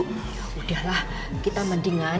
kita mendinggalin dia ya yaudah lah kita mendinggalin dia ya